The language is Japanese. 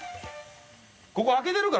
ここ開けてるから。